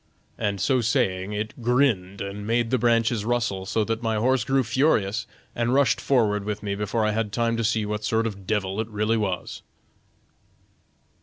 And so saying it grinned and made the branches rustle, so that my horse grew furious and rushed forward with me before I had time to see what sort of a devil it really was."